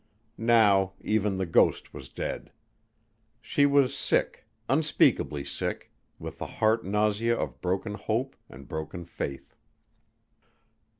Now even the ghost was dead. She was sick, unspeakably sick: with the heart nausea of broken hope and broken faith.